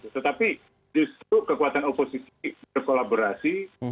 tetapi justru kekuatan oposisi berkolaborasi